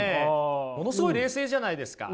ものすごい冷静じゃないですか。